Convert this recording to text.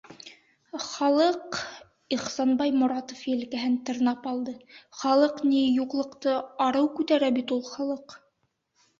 Халыҡ, - Ихсанбай Моратов елкәһен тырнап алды, - халыҡ ни... юҡлыҡты арыу күтәрә бит ул халыҡ.